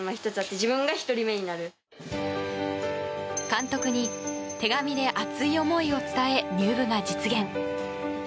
監督に手紙で熱い思いを伝え、入部が実現。